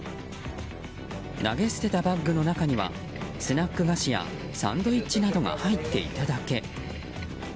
投げ捨てたバッグの中にはスナック菓子やサンドイッチなどが入っていただけ。